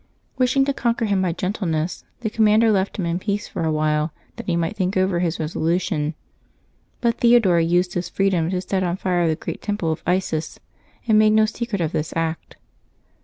Wishing to conquer him by gentleness, the commander left him in peace for a while, that he might think over his resolution; but Theodore used his freedom to set on fire the great temple of Isis, and made no secret of this act.